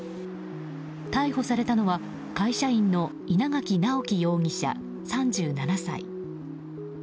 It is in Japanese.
逮捕されたのは会社員の稲垣直輝容疑者、３７歳。